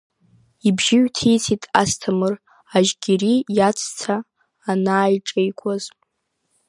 Ибжьы ҩҭицеит Асҭамыр, Ажьгьери иаҵәца анааиҿеикуаз.